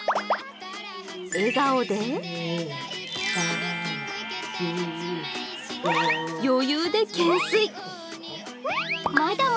笑顔で余裕で懸垂。